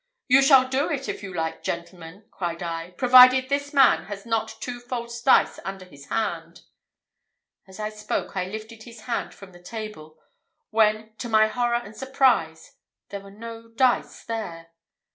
"You shall do it, if you like, gentlemen," cried I, "provided this man has not two false dice under his hand." As I spoke, I lifted his hand from the table, when, to my horror and surprise, there were no dice there.